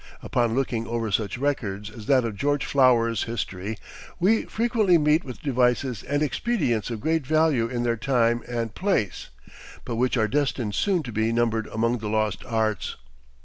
Upon looking over such records as that of George Flower's History we frequently meet with devices and expedients of great value in their time and place, but which are destined soon to be numbered among the Lost Arts.